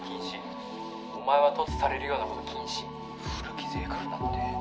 「お前は凸されるようなこと禁止」「古傷えぐるなって！」